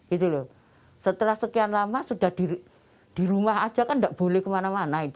itu loh setelah sekian lama sudah diri di rumah aja kan enggak boleh kemana mana itu